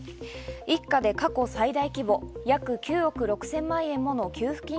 一家で過去最大規模、およそ９億６０００万円もの給付金